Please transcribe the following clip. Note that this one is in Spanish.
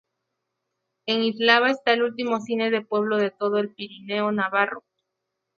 En Isaba está el último cine de pueblo de todo el pirineo navarro.